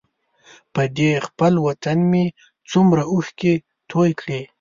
په دې خپل وطن مې څومره اوښکې توی کړې.